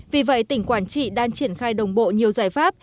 vì vậy tỉnh quảng trị đang triển khai đồng bộ nhiều giải pháp